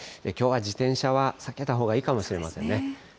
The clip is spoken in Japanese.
きょうは自転車は避けたほうがいいかもしれませんね。